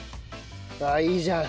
ああいいじゃん。